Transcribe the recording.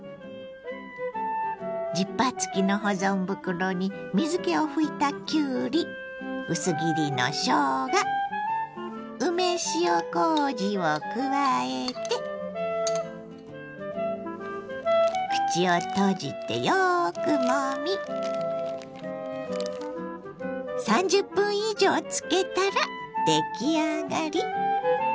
ジッパー付きの保存袋に水けを拭いたきゅうり薄切りのしょうが梅塩こうじを加えて口を閉じてよくもみ３０分以上漬けたら出来上がり。